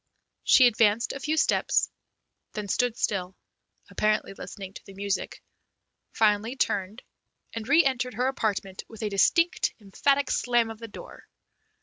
She advanced a few steps, then stood still, apparently listening to the music, finally turned, and re entered her apartment with a distinct, emphatic slam of the door.